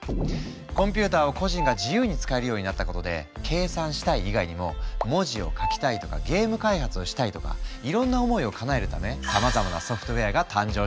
コンピューターを個人が自由に使えるようになったことで「計算したい」以外にも「文字を書きたい」とか「ゲーム開発」をしたいとかいろんな思いをかなえるためさまざまなソフトウェアが誕生していくの。